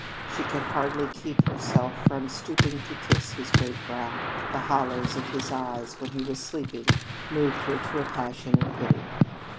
She could hardly keep herself from stooping to kiss his great brow; the hollows of his eyes when he was sleeping moved her to a passion of pity.